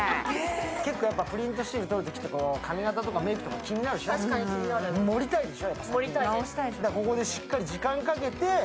結構、やっぱりプリントシール撮るときは、髪型とかメイクとか気になるでしょ、盛りたいでしょ。